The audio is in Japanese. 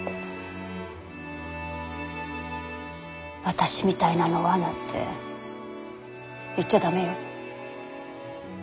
私みたいなのはなんて言っちゃ駄目よ。